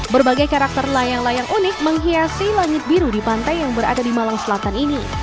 berbagai karakter layang layang unik menghiasi langit biru di pantai yang berada di malang selatan ini